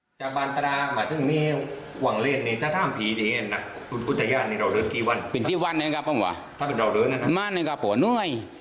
อีกครั้งคือวังลิงเป็นเพื่อน